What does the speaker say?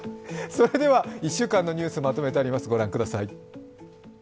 それでは１週間のニュースまとめてあります、ご覧ください。